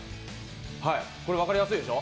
分かりやすいでしょう？